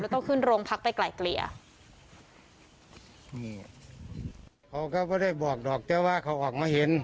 แล้วก็ขึ้นโรงพักไปไกลเกลี่ยนี่เขาก็ไม่ได้บอกหรอกแต่ว่าเขาออกมาเห็น